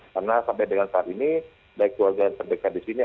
karena sampai dengan saat ini baik keluarga yang terdekat di sini